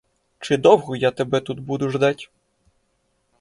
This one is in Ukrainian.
Чи довго я тебе тут буду ждать?!